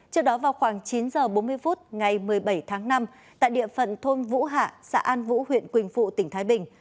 trước đó vào khoảng chín h bốn mươi phút ngày một mươi bảy tháng năm tại địa phận thôn vũ hạ xã an vũ huyện quỳnh phụ tỉnh thái bình